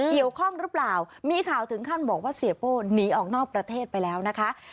เกี่ยวข้องหรือเปล่ามีข่าวถึงขั้นบอกว่าเสียโป้หนีออกนอกประเทศไปแล้วนะคะ